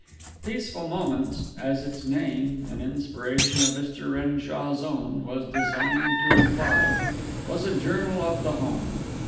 Peaceful Moments, as its name (an inspiration of Mr. Renshaw's own) was designed to imply, was a journal of the home.